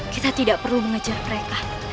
kita tidak perlu mengejar mereka